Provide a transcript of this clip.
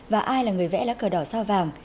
và ai là người vẽ lá cờ đỏ sao vàng